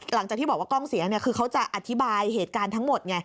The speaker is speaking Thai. หลังจากที่บอกว่ากล้องเสียคือเขาจะอธิบายเหตุการณ์ทั้งหมดไง